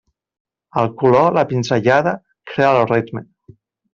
El color, la pinzellada, crea el ritme.